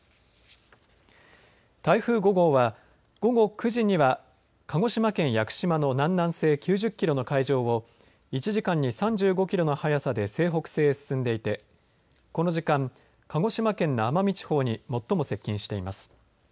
台風５号は午後９時には鹿児島県屋久島の南南西９０キロの海上を１時間に３５キロの速さで西北西へ進んでいてこの時間鹿児島県の奄美地方に最も接近しています。